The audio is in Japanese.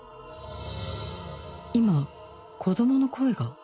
今子供の声が？